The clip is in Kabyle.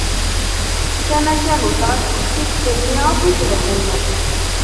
Tamacahut ɣef teqcict-nni akk icebḥen.